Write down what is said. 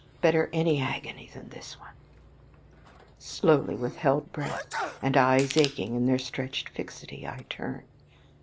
Better any agony than this one. Slowly, with held breath, and eyes aching in their stretched fixity, I turn.